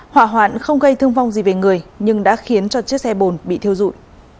hỏa hoạn không gây thương vong gì về người nhưng đã khiến cho chiếc xe bồn bị thiêu dụi